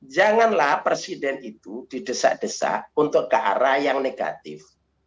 janganlah presiden itu didesak desak untuk ke arah yang negatif